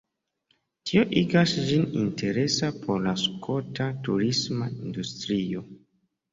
Tio igas ĝin interesa por la skota turisma industrio.